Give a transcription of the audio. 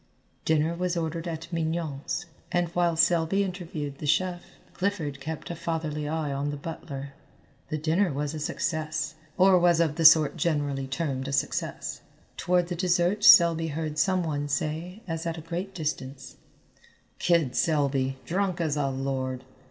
Dinner was ordered at Mignon's, and while Selby interviewed the chef, Clifford kept a fatherly eye on the butler. The dinner was a success, or was of the sort generally termed a success. Toward the dessert Selby heard some one say as at a great distance, "Kid Selby, drunk as a lord."